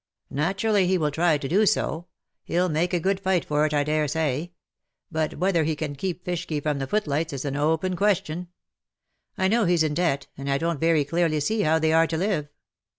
"Naturally, he will try to do so. He^ll make a good fight for it, I dare say ; but whether he can keep Fishky from the footlights is an open question. I know he's in debt, and I don't very clearly see how they are to live."